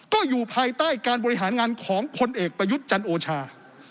ก็อยู่ภายใต้การบริหารงานของพลเอกประยุทธ์จันโอชา